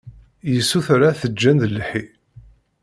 Yessuter ad t-ǧǧen d lḥi.